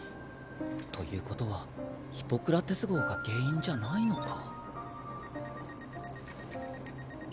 ということはヒポクラテス号が原因じゃないのか。